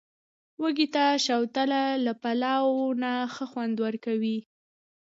وږي ته، شوتله له پلاو نه ښه خوند ورکوي.